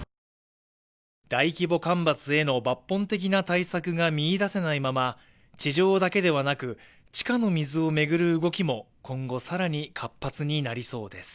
大規模干ばつへの抜本的な対策が見いだせないまま地上だけではなく地下の水を巡る動きも今後さらに活発になりそうです